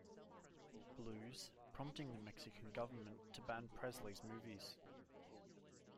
Blues, prompting the Mexican government to ban Presley's movies.